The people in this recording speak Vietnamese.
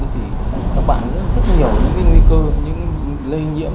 thì các bạn sẽ rất nhiều những cái nguy cơ những lây nhiễm